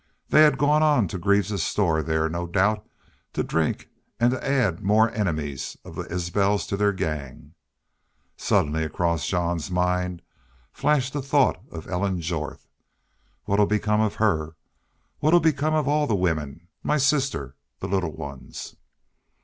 They had gone on to Greaves's store, there, no doubt, to drink and to add more enemies of the Isbels to their gang. Suddenly across Jean's mind flashed a thought of Ellen Jorth. "What 'll become of her? ... What 'll become of all the women? My sister? ... The little ones?"